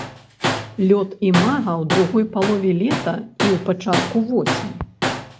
Лёт імага ў другой палове лета і ў пачатку восені.